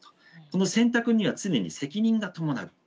この選択には常に責任が伴う。